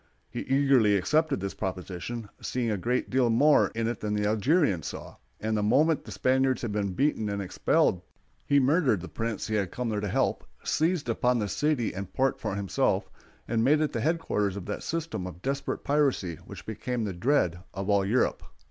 He eagerly accepted this proposition, seeing a great deal more in it than the Algerians saw; and the moment the Spaniards had been beaten and expelled he murdered the prince he had come there to help, seized upon the city and port for himself, and made it the headquarters of that system of desperate piracy which became the dread of all Europe.